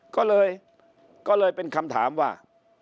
ก็เลยเป็นคำถามว่า